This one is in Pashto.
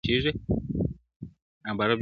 د کابل تصوېر مي ورکی په تحفه کي ,